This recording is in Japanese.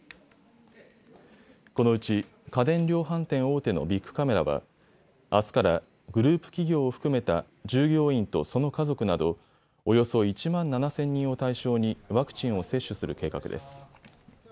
このうち家電量販店大手のビックカメラはあすからグループ企業を含めた従業員とその家族などおよそ１万７０００人を対象にワクチンを接種する計画です。